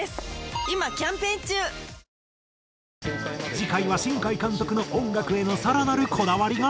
次回は新海監督の音楽への更なるこだわりが。